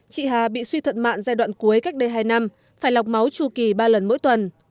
chị hà bị suy thận mạng giai đoạn cuối cách đây hai năm phải lọc máu chu kỳ ba lần mỗi tuần